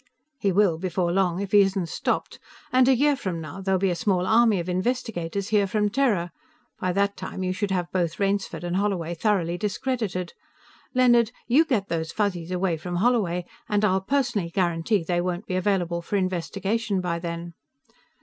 "He will, before long, if he isn't stopped. And a year from now, there'll be a small army of investigators here from Terra. By that time, you should have both Rainsford and Holloway thoroughly discredited. Leonard, you get those Fuzzies away from Holloway and I'll personally guarantee they won't be available for investigation by then.